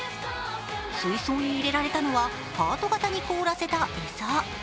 水槽に入れられたのはハート形に凍らせた餌。